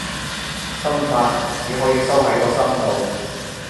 心法，只可以收喺個心度